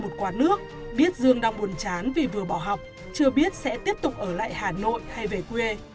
một quán nước biết dương đang buồn chán vì vừa bỏ học chưa biết sẽ tiếp tục ở lại hà nội hay về quê